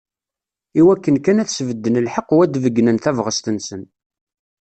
Iwakken kan ad sbedden lḥeqq u ad d-beyynen tabɣest-nsen.